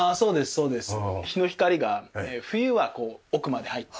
そうですね。